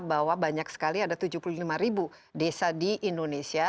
bahwa banyak sekali ada tujuh puluh lima ribu desa di indonesia